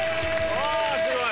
すごい。